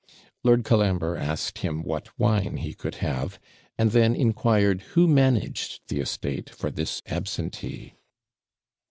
Lord Colambre asked him what wine he could have; and then inquired who managed the estate for this absentee.